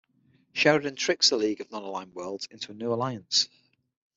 Sheridan tricks the League of Non-Aligned Worlds into a new alliance.